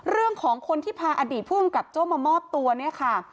เรื่องของคนที่พาอดีตผู้กำกับโจ้มามอบตัวเนี่ยค่ะ